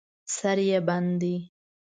سر یې بند دی.